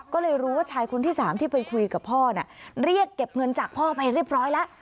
ก็เลยรู้ว่าชายคนที่สามที่ไปคุยกับพ่อเนี่ยเรียกเก็บเงินจากพ่อไปเรียบร้อยแล้ว